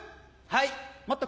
はい。